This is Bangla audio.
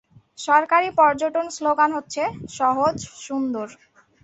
সরকারী পর্যটন স্লোগান হচ্ছে "সহজ সুন্দর"।